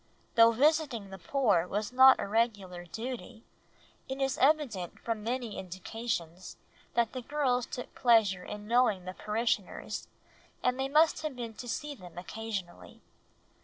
Though visiting the poor was not a regular duty, it is evident from many indications that the girls took pleasure in knowing the parishioners, and they must have been to see them occasionally.